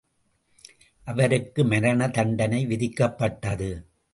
அவருக்கு மரணதண்டனை விதிக்கப்பட்டது.